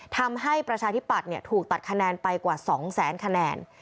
ทำให้ประชาธิปัตย์ถูกตัดคะแนนไปกว่า๒แสนคะแนน